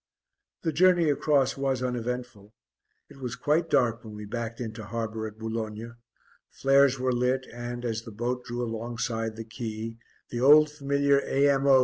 The journey across was uneventful. It was quite dark when we backed into harbour at Boulogne; flares were lit and, as the boat drew alongside the quay, the old familiar A.M.O.